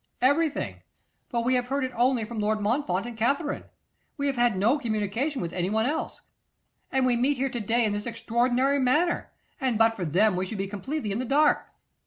'Everything. But we have heard it only from Lord Montfort and Katherine. We have had no communication with anyone else. And we meet here to day in this extraordinary manner, and but for them we should be completely in the dark.